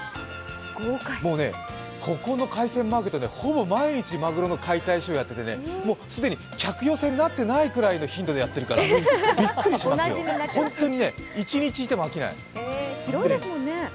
もうね、ここの海鮮マーケットはほぼ毎日マグロの解体ショーやっててもう既に客寄せになってないぐらいの頻度でやってるからびっくりしますよ、本当に一日いても飽きない。